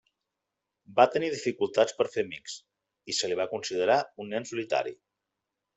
Va tenir dificultats per fer amics, i se li va considerar un nen solitari.